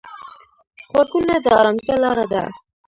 غوږونه د ارامتیا لاره ده